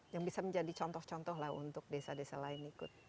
yang bisa menjadi contoh contoh lah untuk desa desa lain ikut